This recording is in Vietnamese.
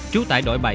chú tại đội bảy